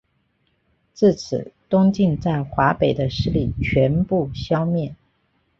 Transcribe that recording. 至此东晋在华北的势力全部消灭。